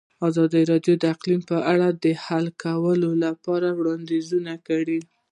ازادي راډیو د اقلیم په اړه د حل کولو لپاره وړاندیزونه کړي.